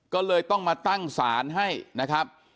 ก็เลยต้องมาตั้งศาลให้นะครับ